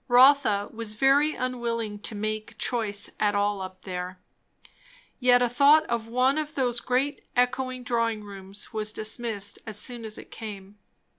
Rotha was very unwilling to make choice at all up there. Yet a thought of one of those great echoing drawing rooms was dismissed as soon as it came.